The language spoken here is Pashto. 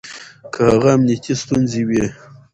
که هغه امنيتي ستونزې وي